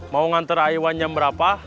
mau ngantar aiwan nyem berapa